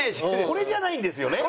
これじゃないんですよね？